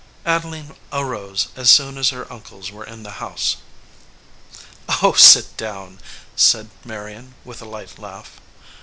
Adeline arose as soon as her uncles were in the house. "Oh, sit down/ said Marion, with a light laugh.